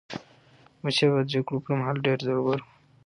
احمدشاه بابا د جګړو پر مهال ډېر زړور و.